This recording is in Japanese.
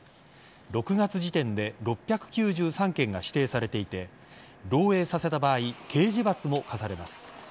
６月時点で６９３件が指定されていて漏えいさせた場合刑事罰も科されます。